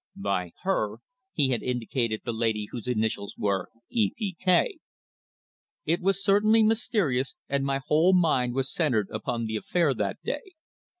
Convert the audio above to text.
By "her" he had indicated the lady whose initials were "E. P. K." It was certainly mysterious, and my whole mind was centred upon the affair that day.